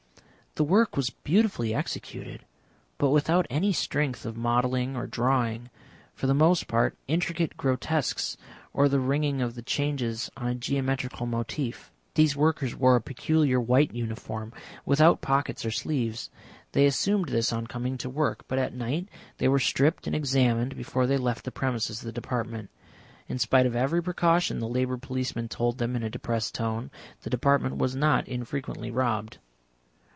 The work was beautifully executed, but without any strength of modelling or drawing, for the most part intricate grotesques or the ringing of the changes on a geometrical motif. These workers wore a peculiar white uniform without pockets or sleeves. They assumed this on coming to work, but at night they were stripped and examined before they left the premises of the Department. In spite of every precaution, the Labour policeman told them in a depressed tone, the Department was not infrequently robbed.